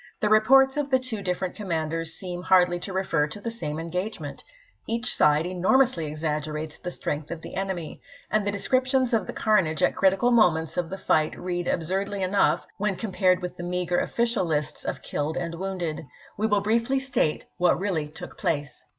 The reports of the different commanders seem hardly to refer to the same engagement; each side enormously exaggerates the strength of the enemy, and the descriptions of the carnage at critical moments of the fight read absurdly enough when compared with the meager official lists of killed and wounded. We will briefly state what really took place.